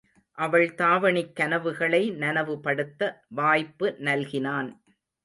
அவள் தாவணிக் கனவுகளை நனவு படுத்த வாய்ப்பு நல்கினான்.